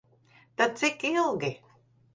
Tad cik ilgi?